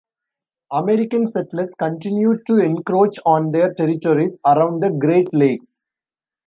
American settlers continued to encroach on their territories around the Great Lakes.